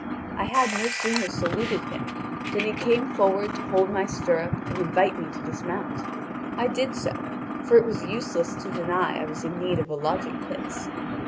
I had no sooner saluted him than he came forward to hold my stirrup and invited me to dismount. I did so, for it was useless to deny that I was in need of a lodging place.